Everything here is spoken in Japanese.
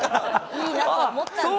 いいなと思ったんですね。